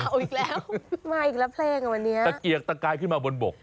เต๊ะสลักกายตัวเหล้าอีกแล้วมาอีกแล้วแพลงตะเกียกตะกายขึ้นมาบนบบ